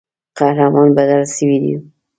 قهرمان بدل سوی وو.